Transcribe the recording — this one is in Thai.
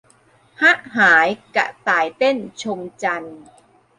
หะหายกระต่ายเต้น ชมจันทร์